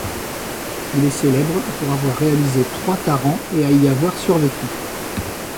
Il est célèbre pour avoir réalisé trois tarans et à y avoir survécu.